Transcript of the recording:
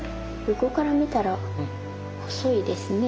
横から見たら細いですね。